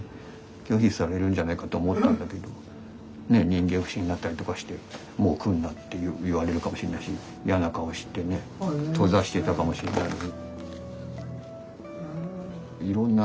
拒否されるんじゃないかって思ったんだけど人間不信になったりとかしてもう来んなって言われるかもしんないしいやな顔してね閉ざしてたかもしんないのに。